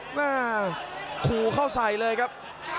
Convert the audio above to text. โอ้โหขูเข้าใสเลยครับ